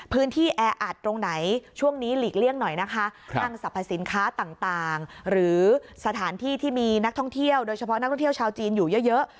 แออัดตรงไหนช่วงนี้หลีกเลี่ยงหน่อยนะคะห้างสรรพสินค้าต่างหรือสถานที่ที่มีนักท่องเที่ยวโดยเฉพาะนักท่องเที่ยวชาวจีนอยู่เยอะ